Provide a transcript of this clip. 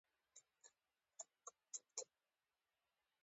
لمسی له ادب سره وده کوي.